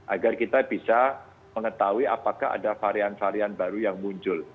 agar kita bisa mengetahui apakah ada varian varian baru yang muncul